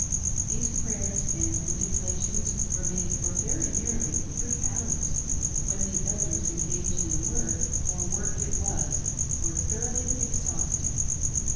These prayers and manipulations were made for very nearly three hours, when the elders engaged in the work — for work it was — were thoroughly exhausted.